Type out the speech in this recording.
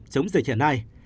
chống dịch hiện nay